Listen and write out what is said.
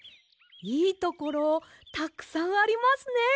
いいところたくさんありますね。